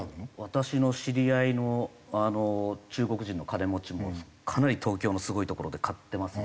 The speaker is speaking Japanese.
私の知り合いの中国人の金持ちもかなり東京のすごい所で買ってますので。